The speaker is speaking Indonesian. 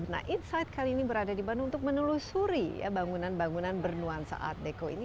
nah insight kali ini berada di bandung untuk menelusuri bangunan bangunan bernuansa art deko ini